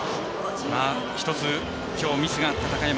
１つ、きょうミスがあった高山。